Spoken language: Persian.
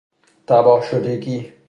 تباه شدگی